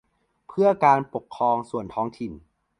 เพื่อการปกครองส่วนท้องถิ่น